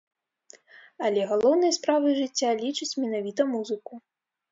Але галоўнай справай жыцця лічыць менавіта музыку.